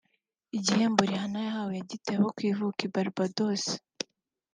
Igihembo Rihanna yahawe yagituye abo ku ivuko i Barbados